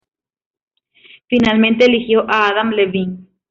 Finalmente, eligió a Adam Levine.